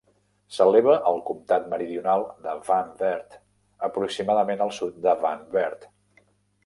S'eleva al comtat meridional de Van Wert, aproximadament al sud de Van Wert.